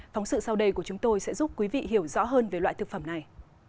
phóng sự sau đây của chúng tôi sẽ giúp quý vị hiểu rõ hơn về loại thực phẩm này